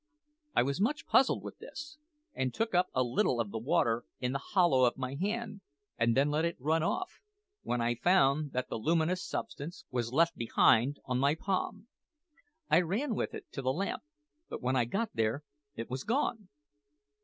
I was much puzzled with this, and took up a little of the water in the hollow of my hand and then let it run off, when I found that the luminous substance was left behind on my palm. I ran with it to the lamp, but when I got there it was gone.